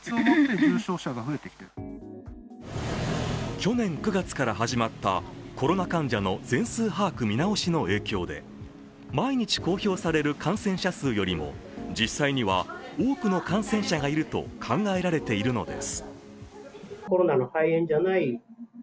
去年９月から始まったコロナ患者の全数把握見直しの影響で毎日公表される感染者数よりも実際には多くの感染者がいると考えられているのです。